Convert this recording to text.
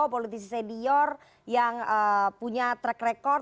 politisi senior yang punya track record